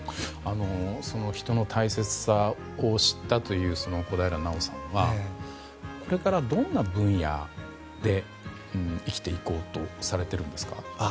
人の大切さを知ったという小平奈緒さんはこれからどんな分野で生きていこうとされているんですか？